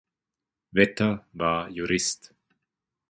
Vetter war Jurist.